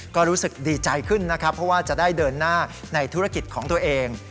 ก็รู้สึกดีใจขึ้นนะครับเพราะว่าจะได้เดินหน้าในธุรกิจของตัวเอง